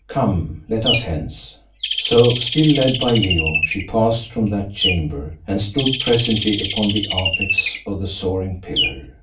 Come, let us hence." So, still led by Leo, she passed from that chamber and stood presently upon the apex of the soaring pillar.